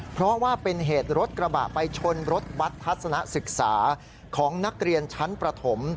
เพราะว่าเป็นเหตุรถกระบะไปชนรถบัตรทัศนะศึกษาของนักเรียนชั้นประถม